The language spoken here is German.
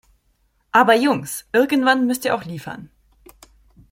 Aber, Jungs, irgendwann müsst Ihr auch liefern!